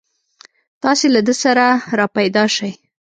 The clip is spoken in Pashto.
تاسې له ده سره راپیدا شئ.